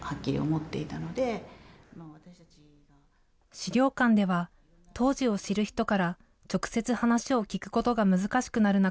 資料館では、当時を知る人から、直接話を聞くことが難しくなる中、